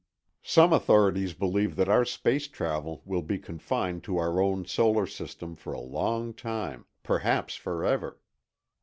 Some authorities believe that our space travel will be confined to our own solar system for a long time, perhaps forever.